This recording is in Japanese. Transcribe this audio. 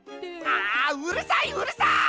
あうるさいうるさい！